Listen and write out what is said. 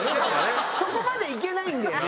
そこまで行けないんだよね。